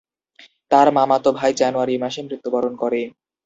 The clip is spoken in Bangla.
তার মামাতো ভাই জানুয়ারি মাসে মৃত্যুবরণ করে।